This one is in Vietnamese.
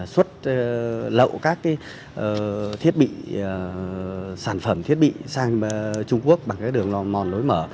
xuất lậu các sản phẩm thiết bị sang trung quốc bằng đường mòn lối mở